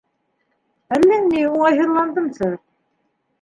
Әллә ни уңайһыҙландымсы.